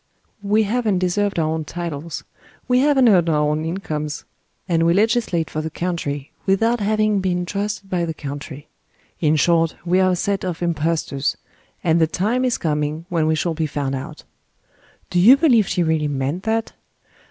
"We hav'n't deserved our own titles; we hav'n't earned our own incomes; and we legislate for the country, without having been trusted by the country. In short, we are a set of impostors, and the time is coming when we shall be found out." Do you believe she really meant that?